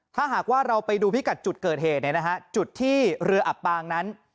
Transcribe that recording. ถ้าหากว่าเราไปดูพิกัดจุดเกิดเหตุเนี่ยนะฮะจุดที่เรืออับปางนั้น